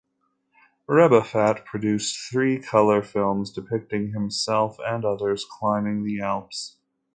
Rebuffat produced three colour films depicting himself and others climbing in the Alps.